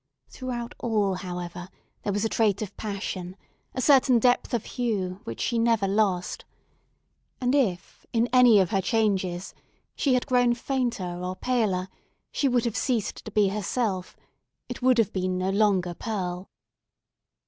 Throughout all, however, there was a trait of passion, a certain depth of hue, which she never lost; and if in any of her changes, she had grown fainter or paler, she would have ceased to be herself—it would have been no longer Pearl!